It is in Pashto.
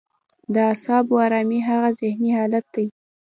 د اعصابو ارامي هغه ذهني حالت دی.